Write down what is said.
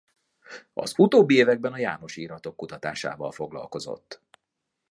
Az utóbbi években a jánosi iratok kutatásával foglalkozott.